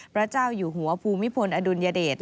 พระเจ้าอยู่หัวภูมิพลอดุลยเดช